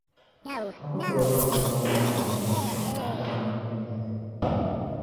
N ku tooi zaŋ nɛma ŋɔ niŋ mmaŋ’ chaŋ dama m bi mil’ li.